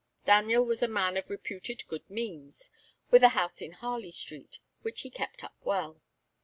Daniel was a man of reputed good means, with a house in Harley Street, which he kept up well.